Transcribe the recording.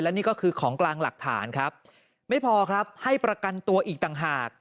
นี่ก็คือของกลางหลักฐานครับไม่พอครับให้ประกันตัวอีกต่างหาก